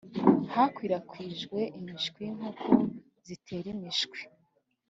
hakwirakwijwe imishwi y inkoko zitera imishwi